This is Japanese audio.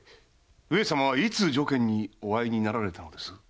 上様はいつ如見にお会いになられたのです？